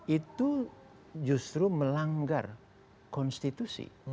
itu justru melanggar konstitusi